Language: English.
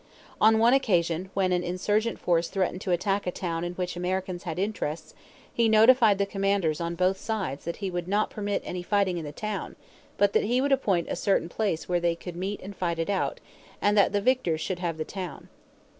On one occasion, when an insurgent force threatened to attack a town in which Americans had interests, he notified the commanders on both sides that he would not permit any fighting in the town, but that he would appoint a certain place where they could meet and fight it out, and that the victors should have the town.